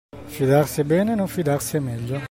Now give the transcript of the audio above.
Fidarsi è bene non fidarsi è meglio.